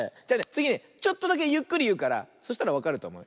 つぎねちょっとだけゆっくりいうからそしたらわかるとおもう。